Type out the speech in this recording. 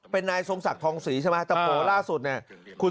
เป็นนายทรงศักดิ์ทองศรีใช่ไหมแต่โผล่ล่าสุดเนี่ย